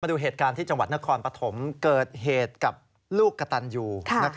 ดูเหตุการณ์ที่จังหวัดนครปฐมเกิดเหตุกับลูกกระตันยู